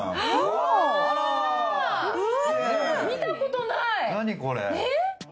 見たことない、えっ？